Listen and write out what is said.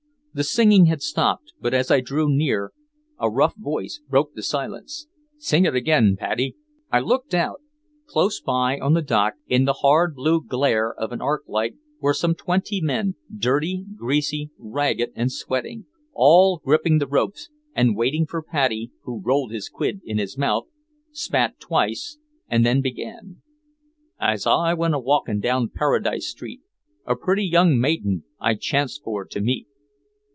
The singing had stopped, but as I drew close a rough voice broke the silence: "Sing it again, Paddy!" I looked out. Close by on the deck, in the hard blue glare of an arc light, were some twenty men, dirty, greasy, ragged, sweating, all gripping the ropes and waiting for Paddy, who rolled his quid in his mouth, spat twice, and then began: "As I went awalking down Paradise Street A pretty young maiden I chanced for to meet."